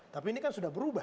tapi ini kan sudah berubah